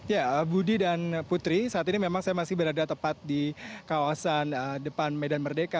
ya budi dan putri saat ini memang saya masih berada tepat di kawasan depan medan merdeka